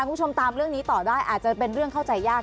คุณผู้ชมตามเรื่องนี้ต่อได้อาจจะเป็นเรื่องเข้าใจยาก